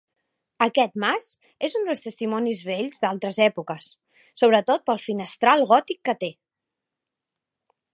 Aquest mas és un dels testimonis vells d'altres èpoques, sobretot pel finestral gòtic que té.